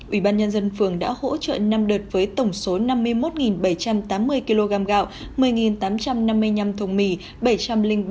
ủy ban nhân dân phường đã hỗ trợ năm đợt với tổng số năm mươi một bảy trăm tám mươi kg gạo một mươi tám trăm năm mươi năm thùng mì